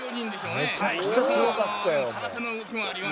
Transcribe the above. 「めちゃくちゃすごかったよもう」